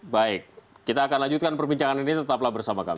baik kita akan lanjutkan perbincangan ini tetaplah bersama kami